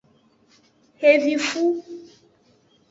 Xevifu.